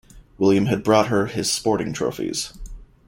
William had brought her his sporting trophies.